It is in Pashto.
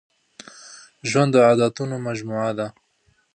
ژوند د عادتونو مجموعه ده.